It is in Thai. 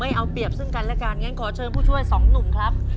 เอาเปรียบซึ่งกันและกันงั้นขอเชิญผู้ช่วยสองหนุ่มครับ